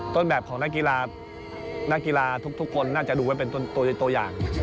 ต้นแบบของนักกีฬานักกีฬาทุกคนน่าจะดูไว้เป็นตัวอย่าง